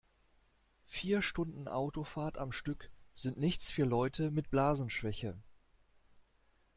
Vier Stunden Autofahrt am Stück sind nichts für Leute mit Blasenschwäche.